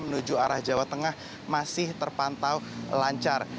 menuju arah jawa tengah masih terpantau lancar